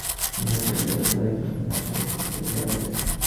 পয়সা থাকলে একলাই সম্পূর্ণ আচার রক্ষা করে যাওয়া যায়।